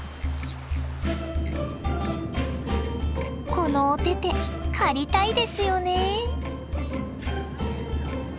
このお手々借りたいですよね。